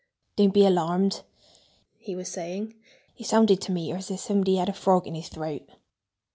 "Don't be alarmed!" he was saying. "It sounded to me as if somebody had a frog in his throat."